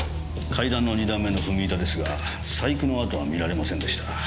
階段の２段目の踏み板ですが細工の跡は見られませんでした。